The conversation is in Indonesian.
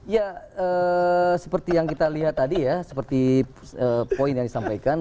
ya seperti yang kita lihat tadi ya seperti poin yang disampaikan